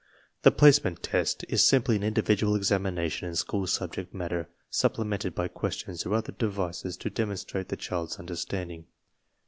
The "Placement Test" is simply an individual examination in school subject matter, sup plemented by questions or other devices to demonstrate the child's understanding.